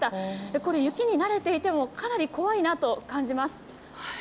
これ、雪に慣れていてもかなり怖いなと感じます。